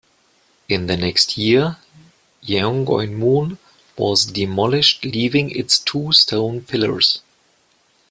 In the next year Yeongeunmun was demolished leaving its two stone pillars.